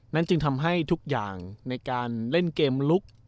จึงทำให้ทุกอย่างในการเล่นเกมลุก